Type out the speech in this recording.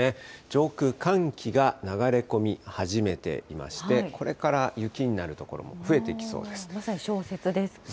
上空、寒気が流れ込み始めていまして、これから雪になる所も増えまさに小雪ですか。